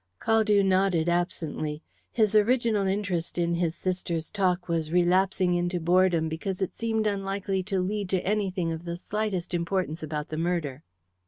Caldew nodded absently. His original interest in his sister's talk was relapsing into boredom because it seemed unlikely to lead to anything of the slightest importance about the murder.